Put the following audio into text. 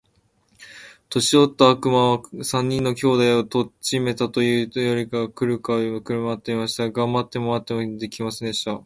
年よった悪魔は、三人の兄弟を取っちめたと言うたよりが来るか来るかと待っていました。が待っても待っても来ませんでした。